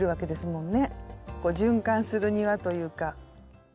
循環する庭というか。